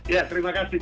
ya terima kasih